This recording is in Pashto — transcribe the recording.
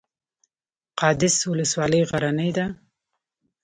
قادس ولسوالۍ غرنۍ ده؟